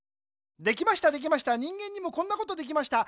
できましたできました人間にもこんなことできました。